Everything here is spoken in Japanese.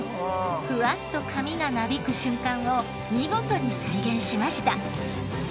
ふわっと髪がなびく瞬間を見事に再現しました。